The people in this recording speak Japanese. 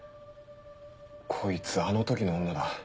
こいつあの時の女だ。